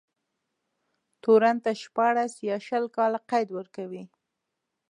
تورن ته شپاړس يا شل کاله قید ورکوي.